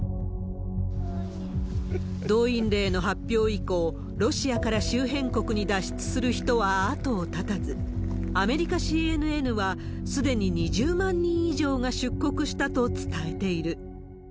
動員令の発表以降、ロシアから周辺国に脱出する人は後を絶たず、アメリカＣＮＮはすでに２０万人以上が出国したと伝えている。